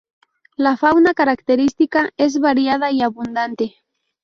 La fauna característica es variada y abundante.